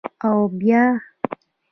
_اوبيا؟